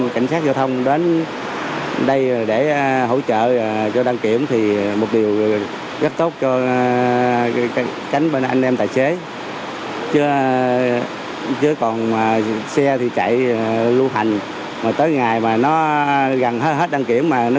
cảnh sát giao thông sẽ cao cái trò của lực lượng công an nhân dân